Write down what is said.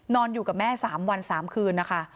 นอนอยู่กับแม่๓วัน๓คืนนะคะ